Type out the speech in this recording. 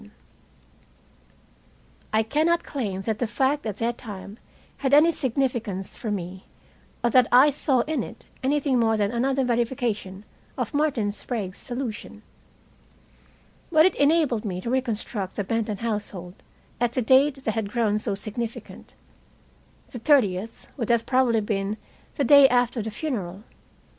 I cannot claim that the fact at the time had any significance for me, or that I saw in it anything more than another verification of Martin Sprague's solution. But it enabled me to reconstruct the Benton household at the date that had grown so significant. The 30th would have probably been the day after the funeral.